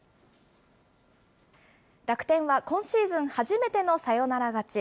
楽天は今シーズン初めてのサヨナラ勝ち。